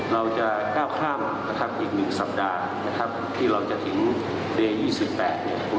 เราจะก้าวข้ามอีก๑สัปดาห์นะครับที่เราจะถึงเรือนร่วม๒๘แห่ง